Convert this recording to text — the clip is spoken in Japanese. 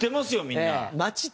みんな。